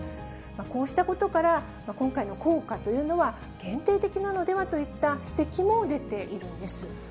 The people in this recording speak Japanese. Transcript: こうしたことから、今回の効果というのは、限定的なのではといった指摘も出ているんです。